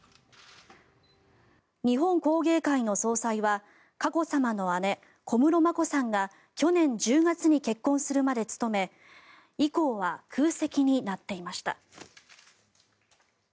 日本工芸会の総裁は佳子さまの姉・小室眞子さんが去年１０月に結婚するまで務め以降は空席になっていました。